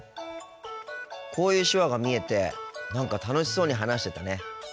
こういう手話が見えて何か楽しそうに話してたね。